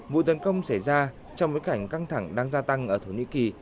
vụ tấn công xảy ra trong bối cảnh căng thẳng đang gia tăng ở thổ nhĩ kỳ